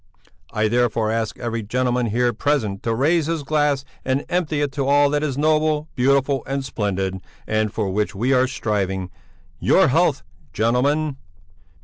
I therefore ask every gentleman here present to raise his glass and empty it to all that is noble, beautiful, and splendid, and for which we are striving. Your health, gentlemen!"